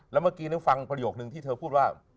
แล้วเมื่อกี้ฟังประโยคนึงที่เธอพูดว่า